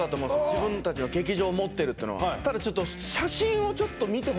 自分たちの劇場持ってるっていうのはただちょっと写真？